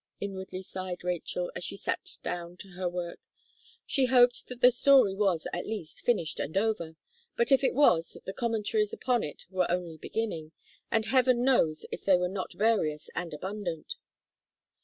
inwardly sighed Rachel, as she sat down to her work. She hoped that the story was, at least, finished and over; but if it was, the commentaries upon it were only beginning, and Heaven knows if they were not various and abundant.